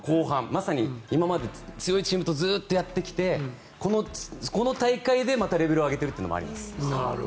まさに今まで強いチームとずっとやってきてこの大会でまたレベルを上げているというのもあります。